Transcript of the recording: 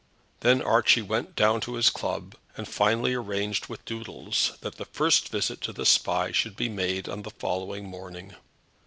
Then Archie went down to his club, and finally arranged with Doodles that the first visit to the Spy should be made on the following morning.